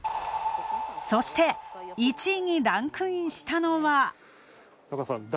そして１位にランクインしたのは。